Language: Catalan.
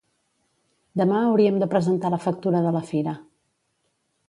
Demà hauríem de presentar la factura de la fira